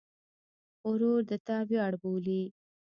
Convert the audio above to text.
ورور د تا ویاړ بولې.